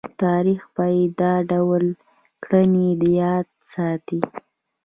تاریخ به یې دا ډول کړنې یاد ساتي.